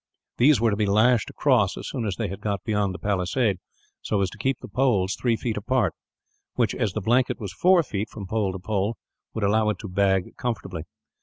These were to be lashed across, as soon as they had got beyond the palisade, so as to keep the poles three feet apart which, as the blanket was four feet, from pole to pole, would allow it to bag comfortably.